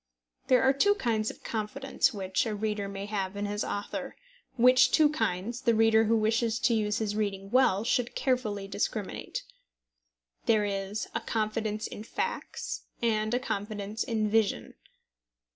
There are two kinds of confidence which a reader may have in his author, which two kinds the reader who wishes to use his reading well should carefully discriminate. There is a confidence in facts and a confidence in vision.